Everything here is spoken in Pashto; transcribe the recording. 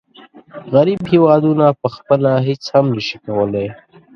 غریب هېوادونه پخپله هیڅ هم نشي کولای.